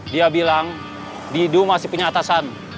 dia bilang didu masih punya atasan